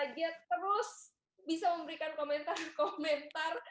dia terus bisa memberikan komentar komentar